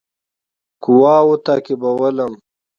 قواوو تعقیبولم.